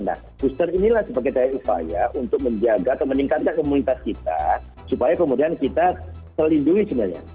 nah booster inilah sebagai daya upaya untuk menjaga atau meningkatkan komunitas kita supaya kemudian kita terlindungi sebenarnya